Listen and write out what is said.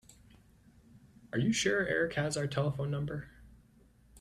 Are you sure Erik has our telephone number?